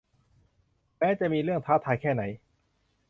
แม้จะมีเรื่องท้าทายแค่ไหน